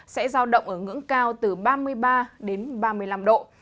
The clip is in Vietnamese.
sẽ giao động ở ngưỡng cao từ ba mươi ba đến ba mươi năm độ